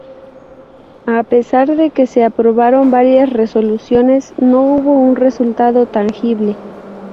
A pesar de que se aprobaron varias resoluciones, no hubo un resultado tangible.